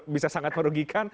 bisa sangat merugikan